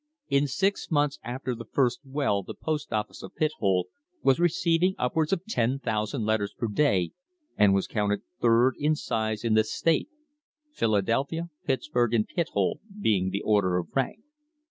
In six months after the first well the post office of Pithole was receiv ing upwards of 10,000 letters per day and was counted third in size in the state — Philadelphia, Pittsburg, and Pithole being the order of rank.